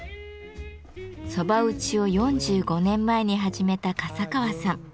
蕎麦打ちを４５年前に始めた笠川さん。